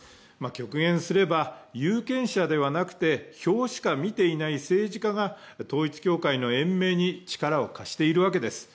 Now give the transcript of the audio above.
極言すれば、有権者ではなくて、票しか見ていない政治家が統一教会の延命に力を貸しているわけです。